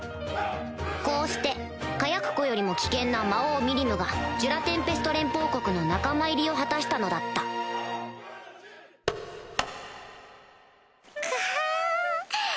こうして火薬庫よりも危険な魔王ミリムがジュラ・テンペスト連邦国の仲間入りを果たしたのだったクハっ！